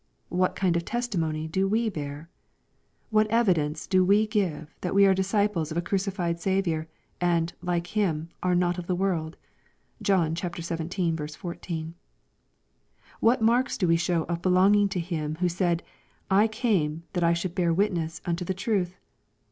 What kind of testimony do we bear ? What evidence do we give that we are disciples of a crucified Saviour, and, like Him, are "not of the world ?" (John xvii. 14.) What marks do we show of belonging to Him who said, " 1 came that I should bear witness unto the truth